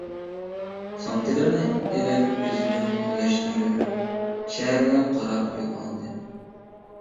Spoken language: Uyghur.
سومكىلىرىنى ئېلىپ ئۆزىنى تۈزەشتۈرۈپ شەھەرگە قاراپ يول ئالدى.